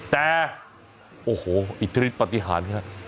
แต่โอ้โหอิทธิฤทธปฏิหารครับ